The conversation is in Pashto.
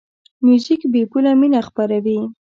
موزیک بېپوله مینه خپروي.